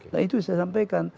nah itu saya sampaikan